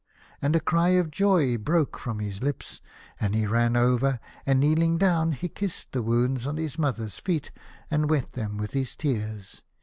And a cry of joy broke from his lips, and he ran over, and kneeling down he kissed the wounds on his mother's feet, and wet them with his tears.